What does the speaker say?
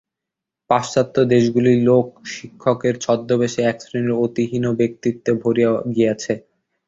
পাশ্চাত্য দেশগুলি লোক-শিক্ষকের ছদ্মবেশে একশ্রেণীর অতি হীন ব্যক্তিতে ভরিয়া গিয়াছে।